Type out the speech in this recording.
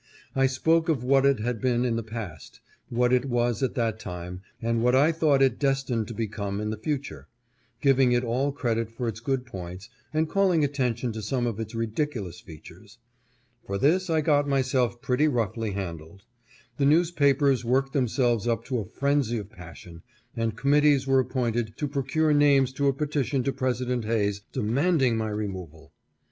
I spoke of what it had been in the past, what it was at that time, and what I thought it destined to become in the future ; giving it all credit for its good points, and calling atten tion to some of its ridiculous features. For this I got 514 "OUR NATIONAL CAPITAL" AT BALTIMORE. myself pretty roughly handled. The newspapers worked themselves up to a frenzy of passion, and committees were appointed to procure names to a petition to Presi dent Hayes demanding my removal.